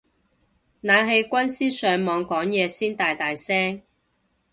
冷氣軍師上網講嘢先大大聲